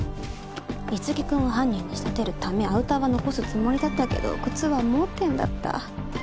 樹君を犯人に仕立てるためアウターは残すつもりだったけど靴は盲点だった。